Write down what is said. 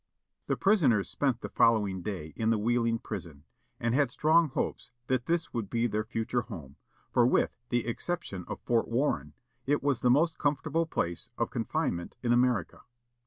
The prisoners spent the following day in the Wheeling prison, and had strong hopes that this would be their future home, for with the exception of Fort Warren, it was the most comfortable place of confinement in America.